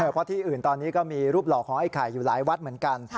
เพราะที่อื่นตอนนี้ก็มีรูปหล่อของไอ้ไข่อยู่หลายวัดเหมือนกัน